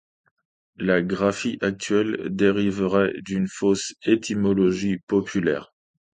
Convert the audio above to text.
La graphie actuelle dériverait d'une fausse étymologie populaire.